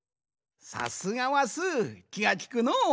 さすがはスーきがきくのう。